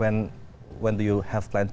dan sekarang saya benci perhatian anda